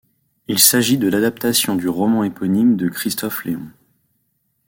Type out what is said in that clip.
Il s'agit de l'adaptation du roman éponyme de Christophe Léon.